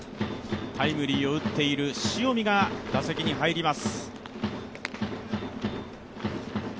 タイムリーを打っている塩見が打席に入ります。